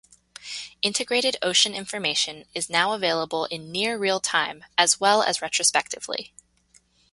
Integrated ocean information is now available in near real time, as well as retrospectively.